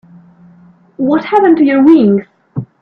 What happened to your wings?